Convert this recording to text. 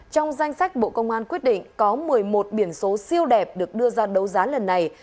trong danh sách bộ công an quyết định có một mươi một biển số siêu đẹp được đưa ra đấu giá lần này